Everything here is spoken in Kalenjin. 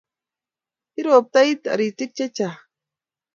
iruptoi toritik chechang